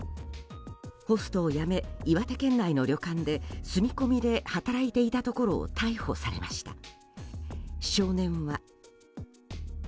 ホストを辞め、岩手県内の旅館で住み込みで働いていたところを逮捕されました。